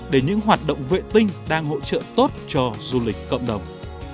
để những hoạt động vệ tinh đang hỗ trợ tốt cho du lịch cộng đồng